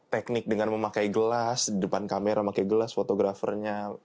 teknik dengan memakai gelas di depan kamera pakai gelas fotografernya